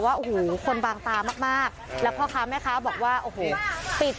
วันที่สิบสองวันจานนี้ค่ะแต่วันเนี้ยพอทราบข่าวเนี้ยเราไปถามความรู้สึกเนี้ย